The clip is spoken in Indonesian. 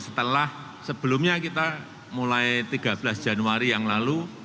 setelah sebelumnya kita mulai tiga belas januari yang lalu